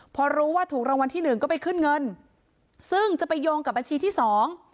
พอรู้ว่าถูกรางวัลที่หนึ่งก็ไปขึ้นเงินซึ่งจะไปโยงกับบัญชีที่สอง